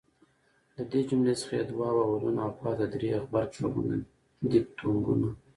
له دې جملې څخه ئې دوه واولونه او پاته درې ئې غبرګ ږغونه دیفتونګونه